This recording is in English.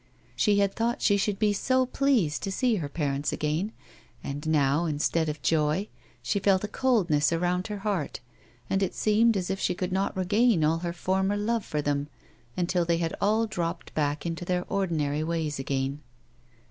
She had thought she should be so pleased to see her parents again, and now, instead of joy, she felt a coldness around her heart, and it seemed as if she could not regain all her former love for them until they had all dropped back into their ordinary ways again.